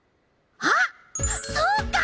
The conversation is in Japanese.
あっそうか！